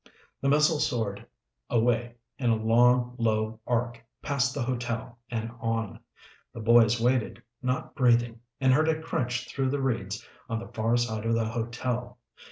The missile soared away in a long, low arc, past the hotel and on. The boys waited, not breathing, and heard it crunch through the reeds on the far side of the hotel.